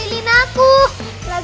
kamu kamu yang duluan